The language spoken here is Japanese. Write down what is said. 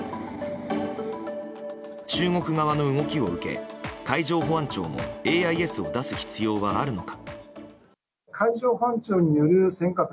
中国側の動きを受け海上保安庁もＡＩＳを出す必要はあるのか。